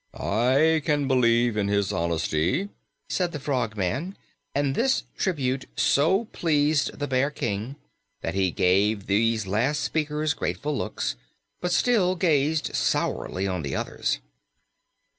"I still believe in his honesty," said the Frogman, and this tribute so pleased the Bear King that he gave these last speakers grateful looks, but still gazed sourly on the others.